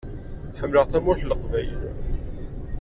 Ḥemmleɣ Tamurt n Leqbayel.